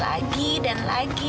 lagi dan lagi